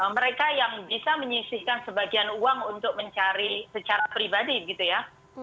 mereka yang bisa menyisihkan sebagian uang untuk mencari secara pribadi gitu ya